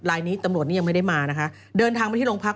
ลายนี้ตำรวจนี่ยังไม่ได้มานะคะเดินทางมาที่โรงพัก